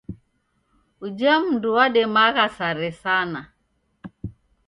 Uja mndu wademagha sare sana.